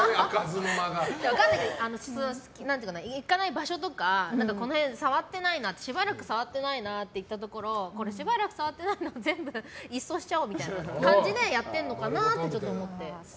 分からないけど行かない場所とかこの辺、しばらく触ってないなってところをこれ、しばらく触ってないなら全部一掃しちゃおうみたいにやってるのかなって思って。